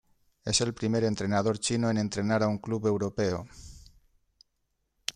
Es el primer entrenador chino en entrenar a un club europeo.